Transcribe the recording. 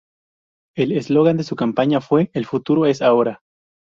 El eslogan de su campaña fue "El Futuro es Ahora".